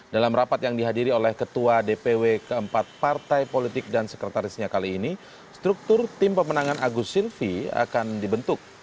dalam rapat yang dihadiri oleh ketua dpw keempat partai politik dan sekretarisnya kali ini struktur tim pemenangan agus silvi akan dibentuk